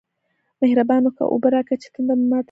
مهرباني وکه! اوبه راکه چې تنده مې ماته شي